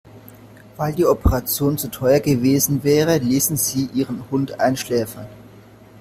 Weil die Operation zu teuer gewesen wäre, ließen sie ihren Hund einschläfern.